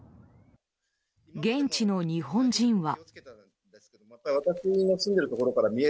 現地の日本人は。